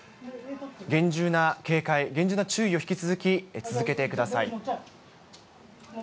厳重な警戒、厳重な注意を引き続き続けてください。